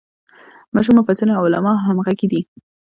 مشهور مفسرین او علما همغږي دي.